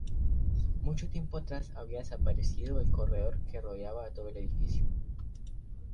Mucho tiempo atrás había desaparecido el corredor que rodeaba a todo el edificio.